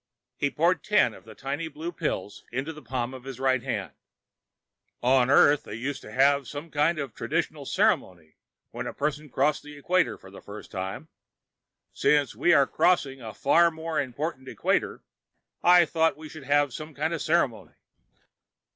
He poured ten of the tiny blue pills into the palm of his right hand. "On Earth, they used to have some kind of traditional ceremony when a person crossed the equator for the first time. Since we are crossing a far more important equator, I thought we should have some kind of ceremony."